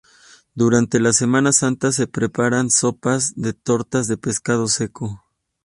Durante la Semana Santa, se preparan sopas de tortas de pescado seco.